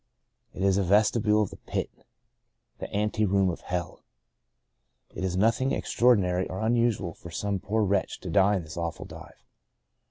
It is a vestibule of the pit — the anteroom of hell. It is nothing extraordinary or unusual for some poor wretch to die in this awful dive.